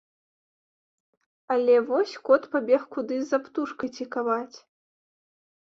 Але вось кот пабег кудысь за птушкай цікаваць.